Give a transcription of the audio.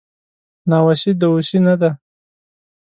ناوسي دووسي نده